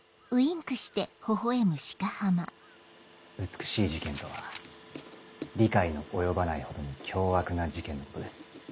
美しい事件とは理解の及ばないほどに凶悪な事件のことです。